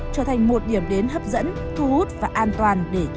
trở thành một điểm đến hấp dẫn thu hút và an toàn để chào đón du khách